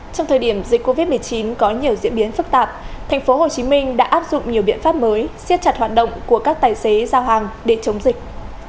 trong thời điểm dịch covid một mươi chín có nhiều diễn biến phức tạp thành phố hồ chí minh đã áp dụng nhiều biện pháp mới siết chặt hoạt động của các tài xế giao hàng để chống dịch